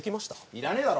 いらねえだろ